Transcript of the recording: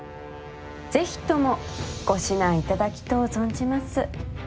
是非ともご指南いただきとう存じます。